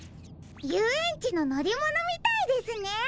ゆうえんちののりものみたいですね！